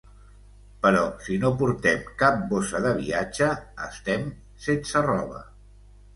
Però si no portem cap bossa de viatge, estem sense roba!